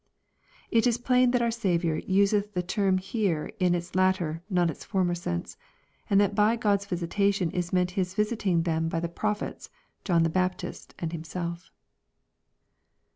It is plain that our Saviour useth the term here in its latter, not its former sense ; and that by God*s visitation is meant His visiting them by the prophets, John the Baptist, and Himself."